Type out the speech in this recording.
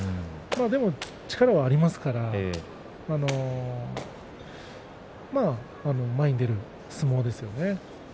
でも力はありますから前に出る相撲ですよね。